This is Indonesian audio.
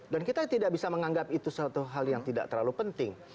dan kita tidak bisa menganggap itu satu hal yang tidak terlalu penting